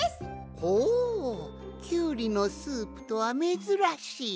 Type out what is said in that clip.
ほうキュウリのスープとはめずらしい。